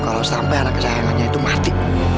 kalau sampai anak kesayangannya itu mati